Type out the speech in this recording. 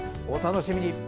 お楽しみに。